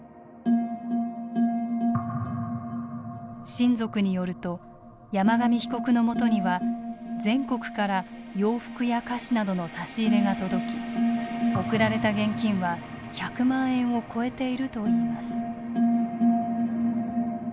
親族によると山上被告のもとには全国から洋服や菓子などの差し入れが届き送られた現金は１００万円を超えているといいます。